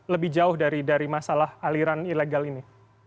lebih jauh dari masalah aliran ilegal ini